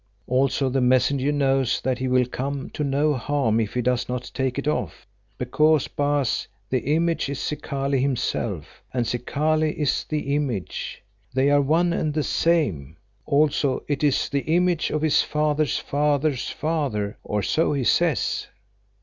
Also the messenger knows that he will come to no harm if he does not take it off, because, Baas, the image is Zikali himself, and Zikali is the image. They are one and the same. Also it is the image of his father's father's father—or so he says."